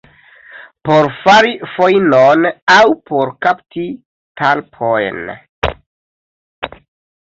Por fari fojnon aŭ por kapti talpojn.